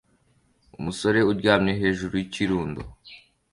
Umusore uryamye hejuru yikirundo